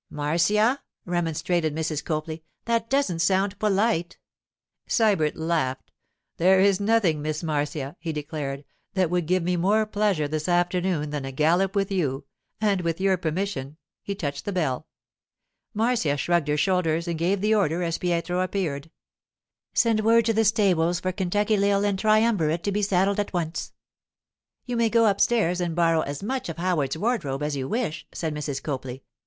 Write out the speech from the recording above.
'Marcia,' remonstrated Mrs. Copley, 'that doesn't sound polite.' Sybert laughed. 'There is nothing, Miss Marcia,' he declared, 'that would give me more pleasure this afternoon than a gallop with you; and with your permission——' he touched the bell. Marcia shrugged her shoulders and gave the order as Pietro appeared. 'Send word to the stables for Kentucky Lil and Triumvirate to be saddled at once.' 'You may go upstairs and borrow as much of Howard's wardrobe as you wish,' said Mrs. Copley.